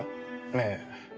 ええ。